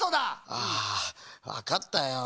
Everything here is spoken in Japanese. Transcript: ああわかったよ。